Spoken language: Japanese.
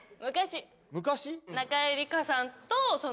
昔？